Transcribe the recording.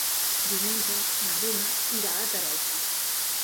Diumenge na Duna irà a Teresa.